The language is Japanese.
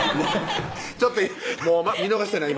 ちょっともう見逃してない？